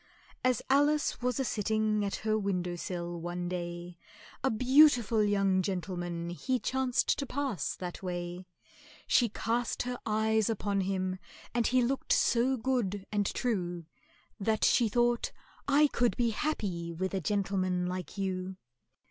As ALICE was a sitting at her window sill one day, A beautiful young gentleman he chanced to pass that way; She cast her eyes upon him, and he looked so good and true, That she thought, "I could be happy with a gentleman like you!"